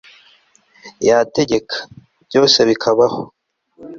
yategeka, byose bikabaho